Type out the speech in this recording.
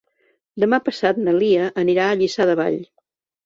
Demà passat na Lia anirà a Lliçà de Vall.